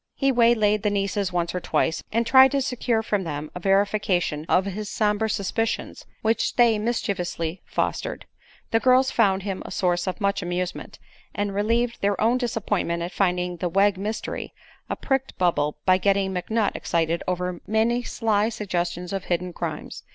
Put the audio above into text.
He waylaid the nieces once or twice, and tried to secure from them a verification of his somber suspicions, which they mischievously fostered. The girls found him a source of much amusement, and relieved their own disappointment at finding the "Wegg Mystery" a pricked bubble by getting McNutt excited over many sly suggestions of hidden crimes.